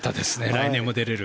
来年も出れる。